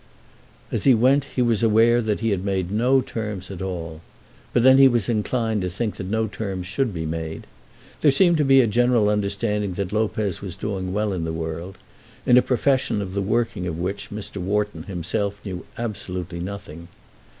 As he went he was aware that he had made no terms at all; but then he was inclined to think that no terms should be made. There seemed to be a general understanding that Lopez was doing well in the world, in a profession of the working of which Mr. Wharton himself knew absolutely nothing.